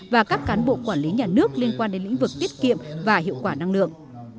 và các cán bộ quản lý nhà nước liên quan đến lĩnh vực tiết kiệm và hiệu quả năng lượng